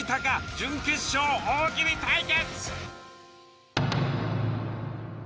準決勝大喜利対決。